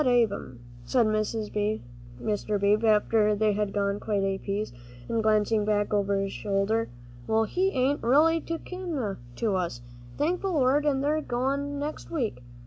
"That Ab'm," said Mr. Beebe, after they had gone quite a piece, and glancing back over his shoulder, "well, he ain't reelly no kin to us, thank the Lord, an' they're a goin' next week.